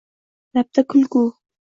Labda kulgu